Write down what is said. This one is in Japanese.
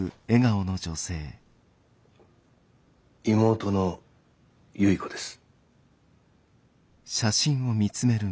妹の有依子です。